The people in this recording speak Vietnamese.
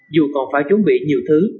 dù còn phải chuẩn bị nhiều thứ